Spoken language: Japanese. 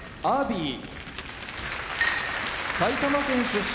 富士埼玉県出身